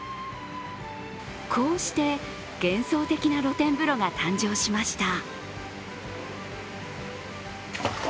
こうして幻想的な露天風呂が誕生しました。